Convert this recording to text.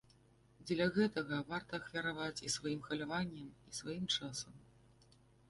Дзеля гэтага варта ахвяраваць і сваім хваляваннем, і сваім часам.